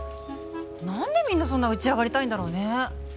なんでみんなそんな打ち上がりたいんだろうね。